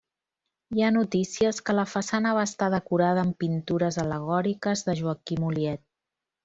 Hi ha notícies que la façana va estar decorada amb pintures al·legòriques de Joaquim Oliet.